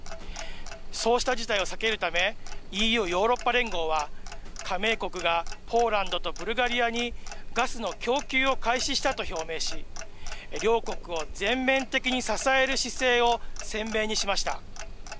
そうした事態を避けるため、ＥＵ・ヨーロッパ連合は、加盟国がポーランドとブルガリアにガスの供給を開始したと表明し、両国を全面的に支える姿勢を鮮明にしました。